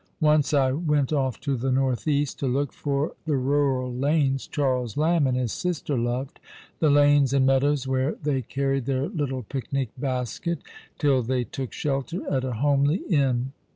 Once I went off to the north east, to look for the rural lanes Charles Lamb and his sister loved — the lanes and meadows where they carried their little picnic basket, till they took shelter at a homely inn.